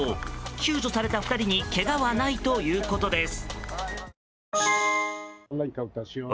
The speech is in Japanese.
救助された２人にけがはないということです。